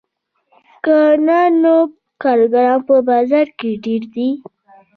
که نه نو کارګران په بازار کې ډېر دي